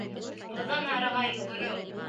Оҙон араға йүгереү